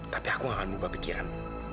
tapi aku gak akan berubah pikiran